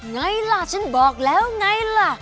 ไงล่ะฉันบอกแล้วไงล่ะ